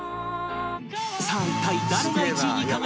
さあ一体誰が１位に輝くのか？